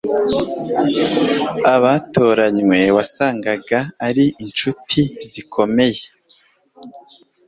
abatoranywe wasangaga ari inshuti zikomeye